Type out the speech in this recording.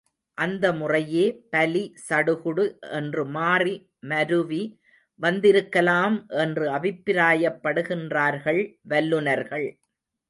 அந்த முறையே பலி சடுகுடு என்று மாறி, மருவி வந்திருக்கலாம் என்று அபிப்பிராயப்படுகின்றார்கள் வல்லுநர்கள்.